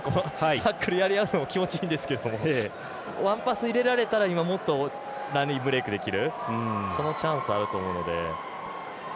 タックルやり合うのも気持ちいいんですけどワンパス入れられたら今もっとラインブレイクできるそのチャンスはあるので。